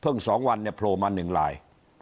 เพิ่งสองวันเนี่ยโผล่มาหนึ่งราย